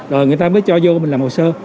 rồi người ta mới cho vô mình làm hồ sơ